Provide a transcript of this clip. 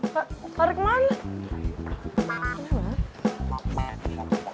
pak pak rukman